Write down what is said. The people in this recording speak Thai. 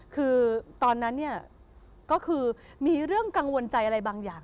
คือตอนนั้นเนี่ยก็คือมีเรื่องกังวลใจอะไรบางอย่าง